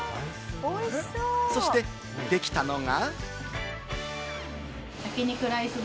そして出来たのが。